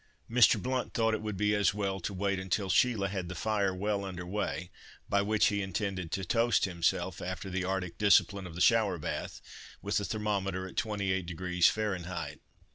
Mr. Blount thought it would be as well to wait until Sheila had the fire well under way, by which he intended to toast himself after the arctic discipline of the shower bath, with the thermometer at 28 degrees Fahrenheit.